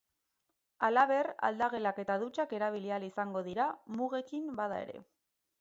Halaber, aldagelak eta dutxak erabili ahal izango dira, mugekin bada ere.